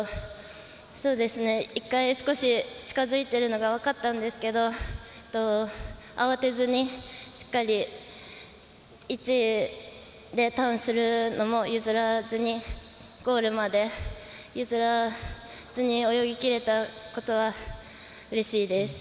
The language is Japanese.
一回少し近づいているのが分かったんですけど慌てずに、しっかり１位でターンするのも譲らずにゴールまで譲らずに泳ぎきれたことはうれしいです。